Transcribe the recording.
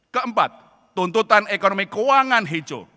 keempat tuntutan ekonomi keuangan hijau